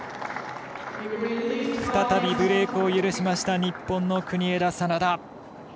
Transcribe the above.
再びブレークを許しました日本の国枝、眞田。